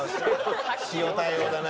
塩対応だな。